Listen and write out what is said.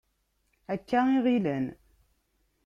Akka i ɣilen.